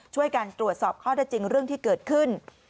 ช่วยกันตรวจสอบข้อได้จริงเรื่องที่เกิดขึ้น